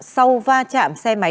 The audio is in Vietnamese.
sau va chạm xe máy